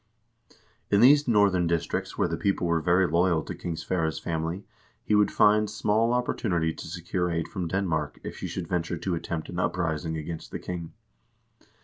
In these northern districts where the people were very loyal to King Sverre's family, he would find small oppor tunity to secure aid from Denmark if he should venture to attempt an uprising against the king.